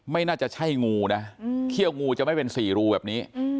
ไม่น่าจะใช่งูนะเขี้ยวงูจะไม่เป็นสี่รูแบบนี้